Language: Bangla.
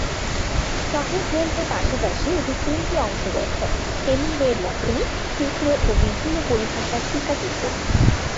সহায়ক গ্রন্থের পাশাপাশি এতে তিনটি অংশ রয়েছে: হেমিংওয়ের লেখনী, চিত্র ও বিভিন্ন পরিভাষার টীকা-টিপ্পনী।